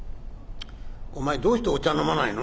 お前どうしてお茶飲まないの？」。